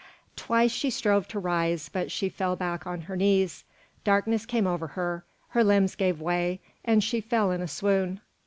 Twice she strove to rise, but she fell back on her knees. Darkness came over her, her limbs gave way, and she fell in a swoon.